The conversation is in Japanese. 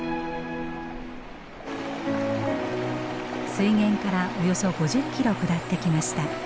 水源からおよそ５０キロ下ってきました。